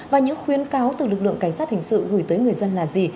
và những khuyến cáo từ lực lượng cảnh sát hình sự gửi tới người dân là gì